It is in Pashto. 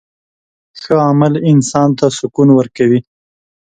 ښه عمل انسان ته سکون ورکوي.